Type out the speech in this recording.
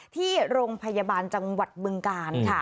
ที่โรงพยาบาลจังหวัดบึงกาลค่ะ